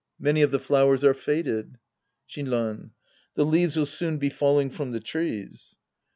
Many of the flowers are faded. Shinran. The leaves'll soon be falling from the trees.